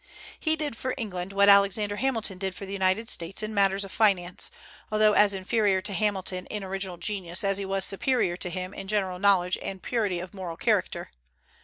He did for England what Alexander Hamilton did for the United States in matters of finance, although as inferior to Hamilton in original genius as he was superior to him in general knowledge and purity of moral character.